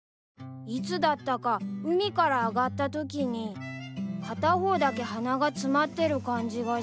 いつだったか海からあがったときに片方だけ鼻がつまってる感じがして。